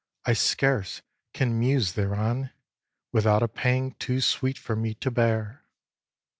I scarce can muse thereon Without a pang too sweet for me to bear!